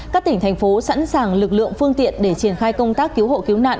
các tỉnh thành phố sẵn sàng lực lượng phương tiện để triển khai công tác cứu hộ cứu nạn